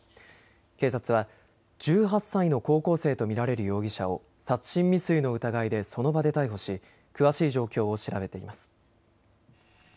警察は１８歳の高校生と見られる容疑者を殺人未遂の疑いでその場で逮捕し詳しい状況を調べています。